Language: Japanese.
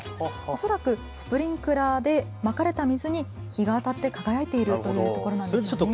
恐らくスプリンクラーでまかれた水に日が当たって輝いているというところなんでしょうね。